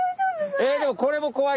えっでもこれも怖い。